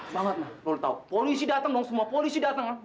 banget mah lo udah tau polisi dateng dong semua polisi dateng kan